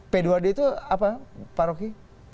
p dua d itu apa pak rocky